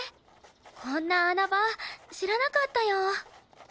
こんな穴場知らなかったよ。